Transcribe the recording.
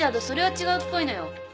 それは違うっぽいのよ。